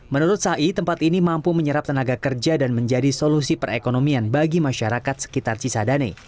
menurut sai tempat ini mampu menyerap tenaga kerja dan menjadi solusi perekonomian bagi masyarakat sekitar cisadane